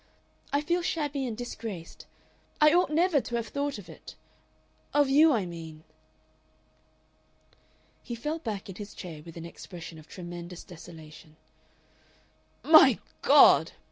"I feel shabby and disgraced.... I ought never to have thought of it. Of you, I mean...." He fell back in his chair with an expression of tremendous desolation. "My God!"